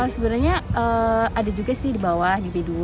sebenarnya ada juga sih di bawah di b dua